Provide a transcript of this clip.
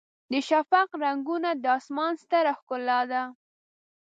د شفق رنګونه د اسمان ستره ښکلا ده.